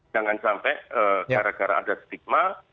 jangan sampai gara gara ada stigma